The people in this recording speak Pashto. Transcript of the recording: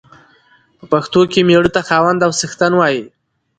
په پښتو کې مېړه ته خاوند او څښتن وايي.